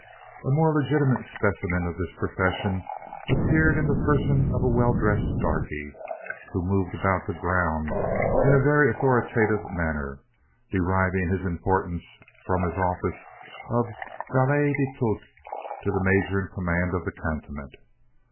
A more legitimate specimen of this profession appeared in the person of a well dressed darkie, who moved about the ground in a very authoritative manner; deriving his importance, from his office of valet de tout to the major in command of the cantonment.